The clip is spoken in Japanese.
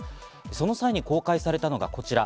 その際に公開されたのがこちら。